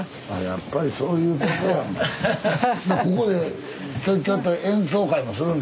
やっぱりそういうことやんか。